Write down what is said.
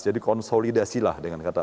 jadi konsolidasilah dengan kata lain